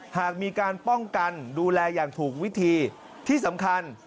หากมีการป้องกันดูแลอย่างถูกวิธีที่สำคัญ